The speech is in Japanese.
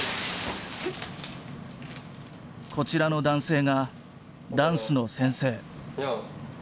こちらの男性がダンスの先生。